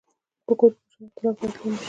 په کور کې کوچني اختلافات باید لوی نه شي.